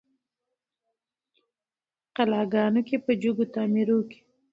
قلاګانو کي په جګو تعمیرو کي